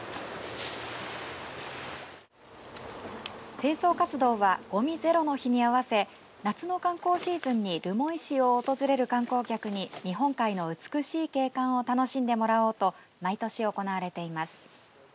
清掃活動はごみゼロの日に合わせ夏の観光シーズンに留萌市を訪れる観光客に日本海の美しい景観を楽しんでもらおうと毎年行われています。